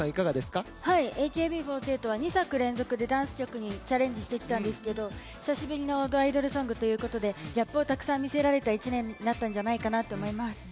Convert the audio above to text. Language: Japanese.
ＡＫＢ４８は２作連続でダンス曲にチャレンジしてきたんですが久しぶりのアイドルソングということでギャップをたくさん見せられた１年だったんじゃないかなと思います。